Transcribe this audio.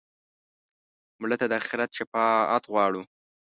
مړه ته د آخرت شفاعت غواړو